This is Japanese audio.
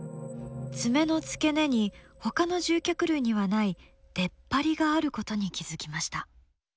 爪の付け根にほかの獣脚類にはない出っ張りがあることに気付きました。